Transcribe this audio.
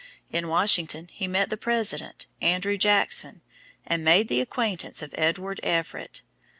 In Washington, he met the President, Andrew Jackson, and made the acquaintance of Edward Everett.